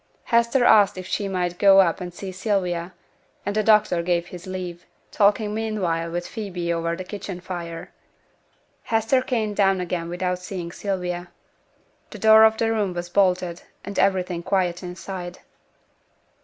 Hester asked if she might go up and see Sylvia, and the doctor gave his leave, talking meanwhile with Phoebe over the kitchen fire. Hester came down again without seeing Sylvia. The door of the room was bolted, and everything quiet inside.